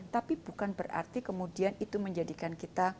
tapi bukan berarti kemudian itu menjadikan kita